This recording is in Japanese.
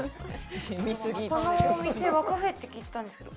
このお店はカフェって聞いてたんですけど